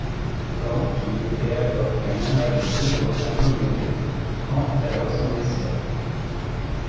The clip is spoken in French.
Caen, qui n'était alors qu'un amas de bourgs agglomérés, prend alors son essor.